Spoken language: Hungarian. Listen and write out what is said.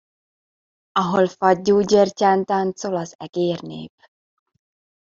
Ahol faggyúgyertyán táncol az egérnép?